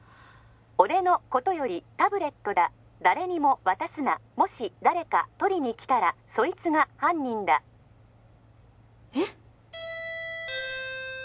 ☎俺のことよりタブレットだ誰にも渡すな☎もし誰か取りに来たらそいつが犯人だえっ！？